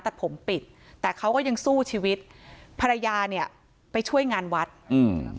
ตัดผมปิดแต่เขาก็ยังสู้ชีวิตภรรยาเนี้ยไปช่วยงานวัดอืม